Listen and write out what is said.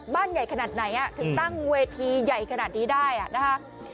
ใหญ่ขนาดไหนถึงตั้งเวทีใหญ่ขนาดนี้ได้นะคะ